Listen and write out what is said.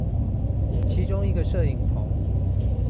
其中一個攝影棚